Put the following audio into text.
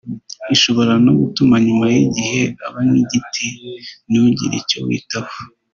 Ishobora no gutuma nyuma y’igihe uba nk’igiti ntugire icyo witaho